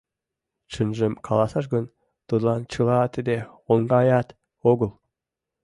Чынжым каласаш гын, тудлан чыла тиде оҥаят огыл.